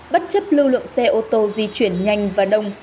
bất chấp lưu lượng xe ô tô di chuyển nhanh và đông